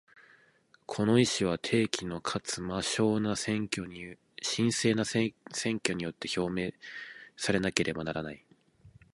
この意思は、定期のかつ真正な選挙によって表明されなければならない。